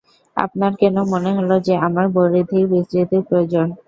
আপনার কেন মনে হলো যে আমার পরিধির বিস্তৃতি প্রয়োজন?